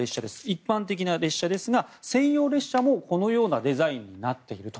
一般的な列車ですが専用列車もこのようなデザインになっていると。